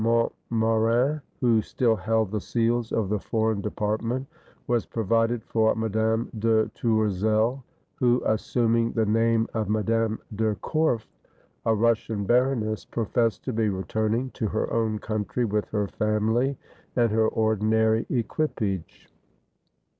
Montmorin, who still held the seals of the Foreign Department, was provided for Madame de Tourzel; who, assuming the name of Madame de Korff, a Russian baroness, professed to be returning to her own country with her family and her ordinary equipage.